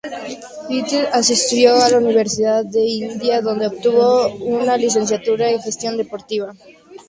Lytle asistió a la Universidad de Indiana donde obtuvo una licenciatura en Gestión Deportiva.